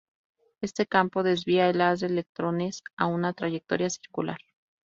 Este campo desvía el haz de electrones a una trayectoria circular.